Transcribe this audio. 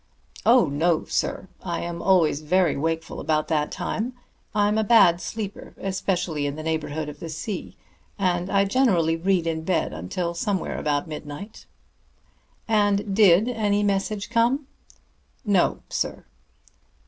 "Oh, no, sir! I am always very wakeful about that time. I'm a bad sleeper, especially in the neighborhood of the sea, and I generally read in bed until somewhere about midnight." "And did any message come?" "No, sir."